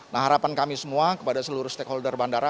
nah harapan kami semua kepada seluruh stakeholder bandara